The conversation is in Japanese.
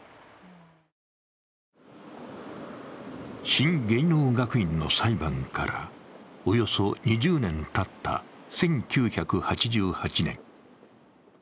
新芸能学院の裁判からおよそ２０年たった１９８８年。